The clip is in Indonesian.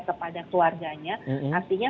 kepada keluarganya artinya